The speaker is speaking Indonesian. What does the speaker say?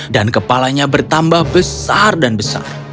dan kepalanya bertambah besar dan besar